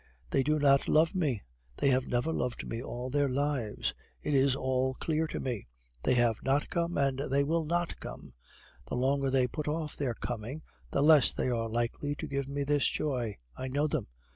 They do not love me they have never loved me all their lives! It is all clear to me. They have not come, and they will not come. The longer they put off their coming, the less they are likely to give me this joy. I know them.